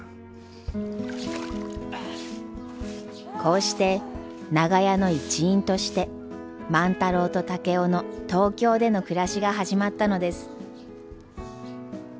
こうして長屋の一員として万太郎と竹雄の東京での暮らしが始まったのです。